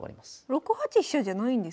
６八飛車じゃないんですね。